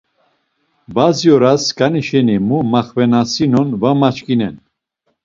Bazi oras skani şeni mu maxvenasinon va maçkinen.